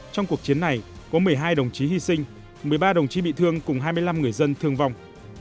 trong cuộc chiến này có một mươi hai đồng chí hy sinh một mươi ba đồng chí bị thương cùng hai mươi năm người dân thương vong